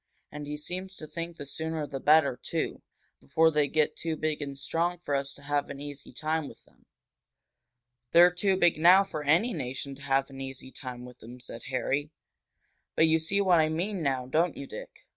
And he seems to think the sooner the better, too, before they get too big and strong for us to have an easy time with them." "They're too big now for any nation to have an easy time with them," said Harry. "But you see what I mean now, don't you, Dick?